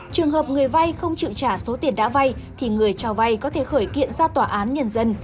trường hợp người vay không chịu trả số tiền đã vay thì người cho vay có thể khởi kiện ra tòa án nhân dân